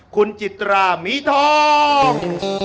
คุณจิตรามีทอง